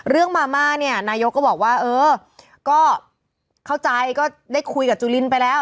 มาม่าเนี่ยนายกก็บอกว่าเออก็เข้าใจก็ได้คุยกับจุลินไปแล้ว